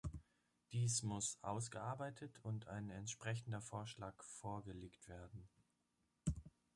Dies muss ausgearbeitet und ein entsprechender Vorschlag vorgelegt werden.